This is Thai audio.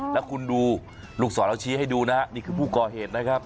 แล้วคุณดูลูกศรเราชี้ให้ดูนะฮะนี่คือผู้ก่อเหตุนะครับ